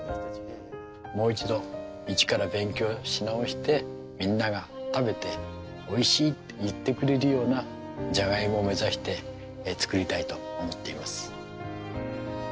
もう一度一から勉強し直してみんなが食べておいしいって言ってくれるようなじゃがいもを目指して作りたいと思っています。